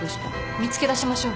見つけ出しましょう。